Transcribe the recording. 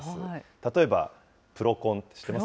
例えば、プロコン、知ってます？